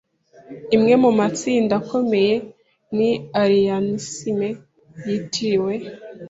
Imwe mu matsinda akomeye ni Arianism yitiriwe